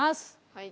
はい。